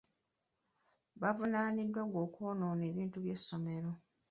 Baavunaaniddwa ogw'okwonoona ebintu by'essomero.